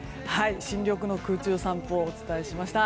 新緑の空中散歩をお伝えしました。